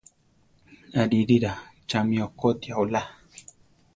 Aririra! chami okotia olá.